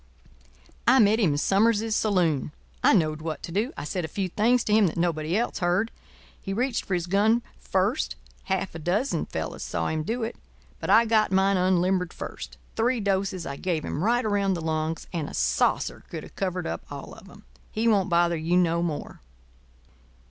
I met him in Summers's saloon. I knowed what to do. I said a few things to him that nobody else heard. He reached for his gun first—half a dozen fellows saw him do it—but I got mine unlimbered first. Three doses I gave him—right around the lungs, and a saucer could have covered up all of 'em. He won't bother you no more."